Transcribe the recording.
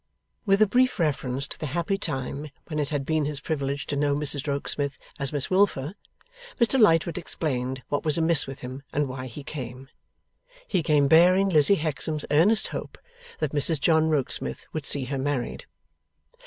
With a brief reference to the happy time when it had been his privilege to know Mrs Rokesmith as Miss Wilfer, Mr Lightwood explained what was amiss with him and why he came. He came bearing Lizzie Hexam's earnest hope that Mrs John Rokesmith would see her married.